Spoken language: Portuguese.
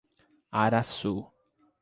Araçu